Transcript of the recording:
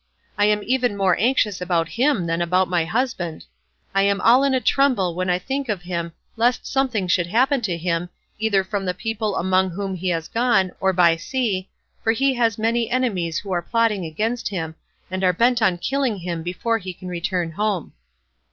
I am even more anxious about him than about my husband; I am all in a tremble when I think of him, lest something should happen to him, either from the people among whom he has gone, or by sea, for he has many enemies who are plotting against him, and are bent on killing him before he can return home."